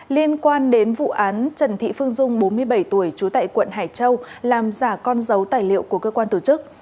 liên quan đến vụ án trần thị phương dung bốn mươi bảy tuổi trú tại quận hải châu làm giả con dấu tài liệu của cơ quan tổ chức